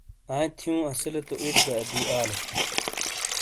آئی تھیوں اسیلے تو ایڇ گہ آدی آلو۔